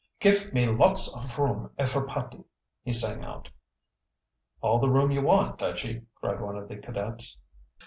"Gif me lots of room, eferypotty!" he sang out. "All the room you want, Dutchy!" cried one of the cadets.